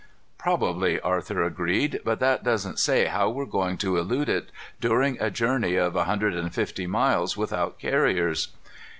"Probably," Arthur agreed. "But that doesn't say how we're going to elude it during a journey of a hundred and fifty miles without carriers."